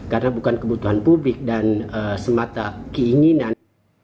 karena bukan kebutuhan publik dan semata keinginan